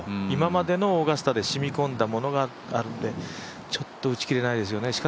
今までのオーガスタでしみこんだものがあるので、ちょっと打ち切れないですよね